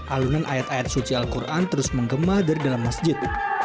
alunan ayat ayat suci al quran terus menggema dari dalam masjid